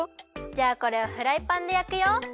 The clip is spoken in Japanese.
じゃあこれをフライパンでやくよ。